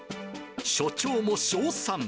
署長も称賛。